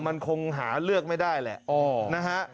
มันคงหาเลือกไม่ได้แหละนะฮะ